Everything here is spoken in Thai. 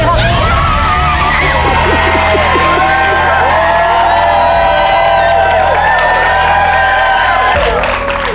ได้ได้ได้